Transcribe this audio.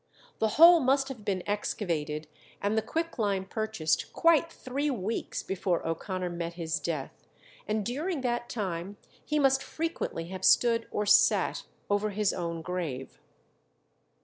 The hole must have been excavated and the quicklime purchased quite three weeks before O'Connor met his death, and during that time he must frequently have stood or sat over his own grave.